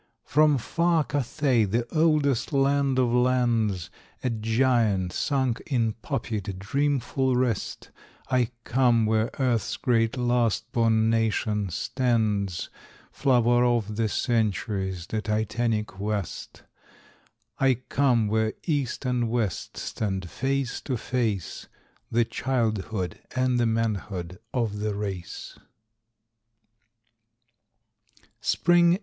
From far Cathay, the oldest land of lands, A giant sunk in poppied, dreamful rest, I come where earth's great last born nation stands, Flower of the centuries, the titanic West. I come where East and West stand face to face, The childhood and the manhood of the race.